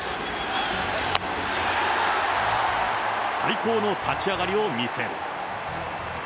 最高の立ち上がりを見せる。